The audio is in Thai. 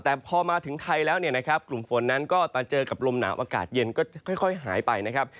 แต่พอมาถึงไทยแล้วเนี่ยนะครับกลุ่มฝนนั้นก็มาเจอกับลมหนาวอากาศเย็นก็ค่อยหายไปนะครับ